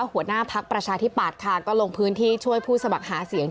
หัวหน้าพักประชาธิปัตย์ค่ะก็ลงพื้นที่ช่วยผู้สมัครหาเสียง